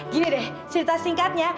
gini deh cerita singkatnya